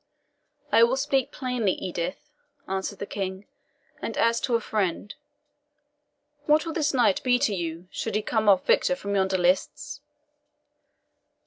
"I will speak plainly, Edith," answered the King, "and as to a friend. What will this knight be to you, should he come off victor from yonder lists?"